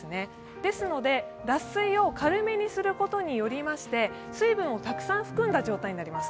ですので、脱水を軽めにすることによりまして、水分をたくさん含んだ状態になります。